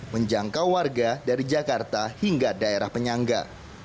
menjangkau warga dari jakarta hingga daerah penyangga